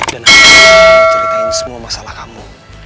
dan aku mau ceritain semua masalah kamu